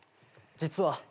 実は。